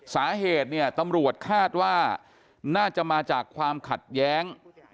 สาเหตุเนี่ยตำรวจคาดว่าน่าจะมาจากความขัดแย้ง